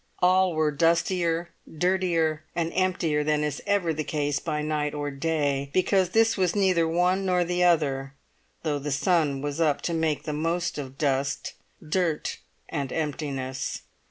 All were dustier, dirtier, and emptier than is ever the case by night or day, because this was neither one nor the other, though the sun was up to make the most of dust, dirt, and emptiness.